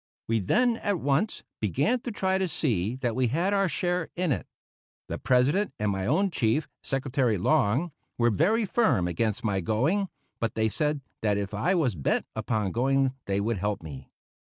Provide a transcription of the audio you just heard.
We then at once began to try to see that we had our share in it. The President and my own chief, Secretary Long, were very firm against my going, but they said that if I was bent upon going they would help me.